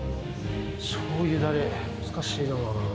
しょうゆだれ、難しいな。